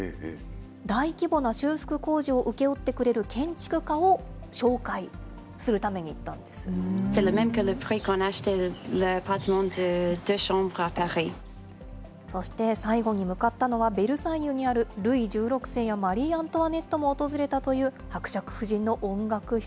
大規模な修復工事を請け負ってくれる建築家を紹介するために行っそして最後に向かったのは、ベルサイユにあるルイ１６世やマリー・アントワネットも訪れたという伯爵夫人の音楽室。